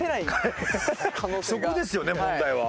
そこですよね問題は。